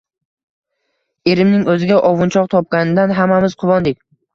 Erimning oʻziga ovunchoq topganidan hammamiz quvondik